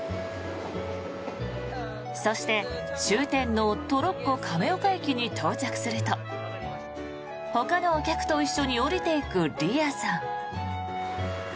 そして、終点のトロッコ亀岡駅に到着するとほかのお客と一緒に降りていくリアさん。